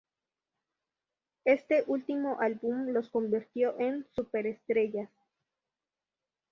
Este último álbum los convirtió en superestrellas.